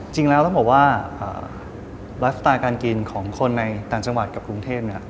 จริงแล้วต้องบอกว่าไลฟ์สไตล์การกินของคนในต่างจังหวัดกับกรุงเทพเนี่ย